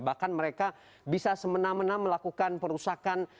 bahkan mereka bisa semena mena melakukan perusakan